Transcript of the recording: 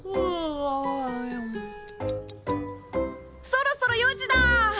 そろそろ４時だ！